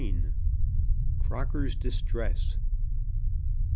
CROCKER'S DISTRESS.